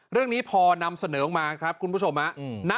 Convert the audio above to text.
เรื่องนี้พอนำเสนอออกมาครับคุณผู้ชม